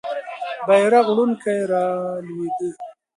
بیرغ وړونکی رالوېده.